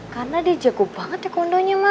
karena dia jago banget taekwondonya ma